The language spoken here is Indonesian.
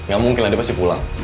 gak mungkin lah dia pasti pulang